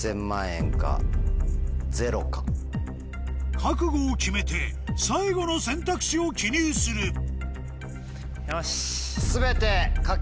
覚悟を決めて最後の選択肢を記入するよし！